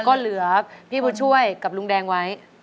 ก็เหลือพี่บุญช่วยกับลุงแดงไว้